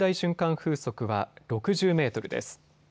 風速は６０メートルです。